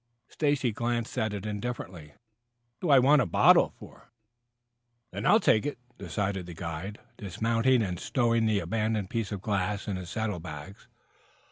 Stacy glanced at it indifferently; "What do I want of a bottle?" "Then I'll take it," decided the guide, dismounting and stowing the abandoned piece of glass in his saddle bags.